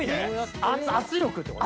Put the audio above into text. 圧力ってこと？